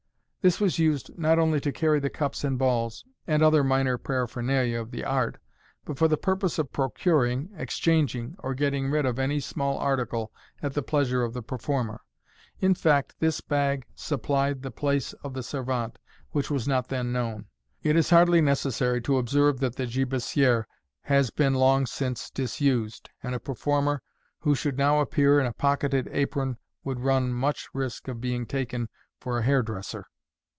This was used not only to carry the cups and balls, and other minor paraphernalia of the art, but for the purpose of procuring, exchanging, or getting rid of any small article at the pleasure of the performer. In fact, this bag supplied the place of the servante, which was not then known. It is hardly necessary to observe that the gibeciere has been long since disused, and a performer who should now appear in a pocketed apron would run much risk of being taken for a hairdresser.